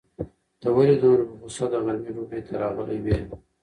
ته ولې دومره په غوسه د غرمې ډوډۍ ته راغلی وې؟